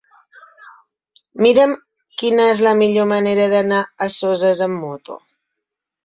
Mira'm quina és la millor manera d'anar a Soses amb moto.